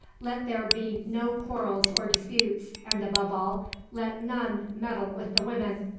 Let there be no quarrels or disputes; and above all, let none meddle with the women.